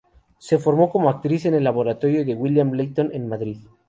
Se formó como actriz en el Laboratorio de William Layton en Madrid.